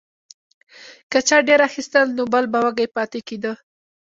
که چا ډیر اخیستل نو بل به وږی پاتې کیده.